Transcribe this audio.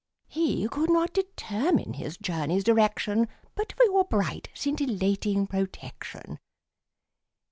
He could not determine his journey's direction But for your bright scintillating protection.